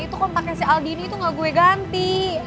itu kontaknya si aldini itu gak gue ganti